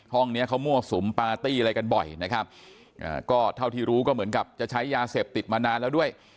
ห้องเนี้ยเขามั่วสุมปาร์ตี้อะไรกันบ่อยนะครับก็เท่าที่รู้ก็เหมือนกับจะใช้ยาเสพติดมานานแล้วด้วย